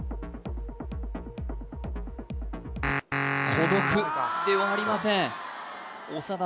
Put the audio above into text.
こどくではありません長田